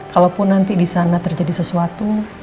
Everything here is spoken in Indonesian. kalaupun nanti disana terjadi sesuatu